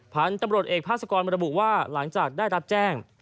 พันธุ์ตำรวจเอกภาษากรมระบุว่าหลังจากได้รับแจ้ง